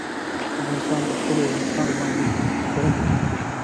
افغانستان په خپلو اوښانو باندې پوره تکیه لري.